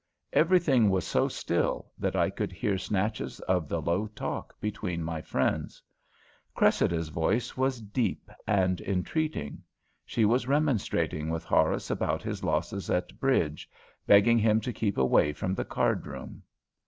Everything was so still that I could hear snatches of the low talk between my friends. Cressida's voice was deep and entreating. She was remonstrating with Horace about his losses at bridge, begging him to keep away from the cardroom.